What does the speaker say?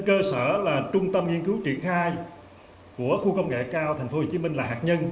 chơ sở là trung tâm nghiên cứu triển khai của khu công nghệ cao thành phố hồ chí minh là hạt nhân